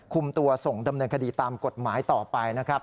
คุมตัวส่งดำเนินคดีตามกฎหมายต่อไปนะครับ